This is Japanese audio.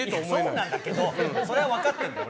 そうなんだけどそれはわかってるんだけど。